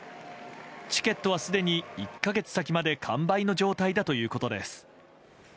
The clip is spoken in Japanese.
チケットは、すでに１か月先まで完売の状態だということです。